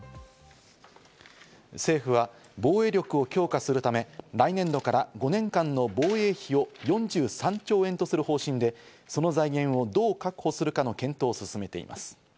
政府は防衛力を強化するため、来年度から５年間の防衛費を４３兆円とする方針で、その財源をどう確保するかの検討を進めています。